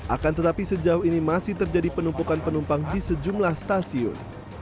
akan tetapi sejauh ini masih terjadi penumpukan penumpang di sejumlah stasiun